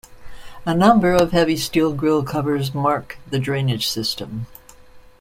A number of heavy steel grille covers mark the drainage system.